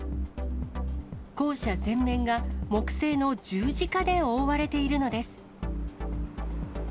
校舎全面が木製の十字架で覆われているのです。